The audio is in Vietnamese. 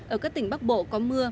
ở các tỉnh bắc bộ có mưa